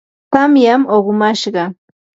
tamyam uqumashqa.